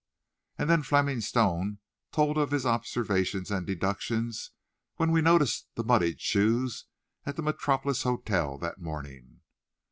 And then Fleming Stone told of his observations and deductions when we noticed the muddied shoes at the Metropolis Hotel that morning.